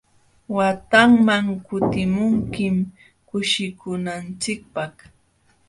Watanman kutimunkim kushikunanchikpaq.